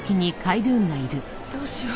どうしよう。